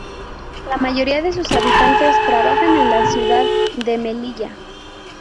La mayoría de sus habitantes trabajan en la ciudad de Melilla.